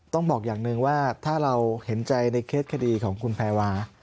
ต้องบอกอย่างหนึ่งว่าถ้าเราเห็นใจในเคสคดีของคุณแพรวา